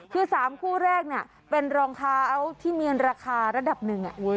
คือ๓คู่แรกเป็นรองเท้าที่มีราคาระดับหนึ่ง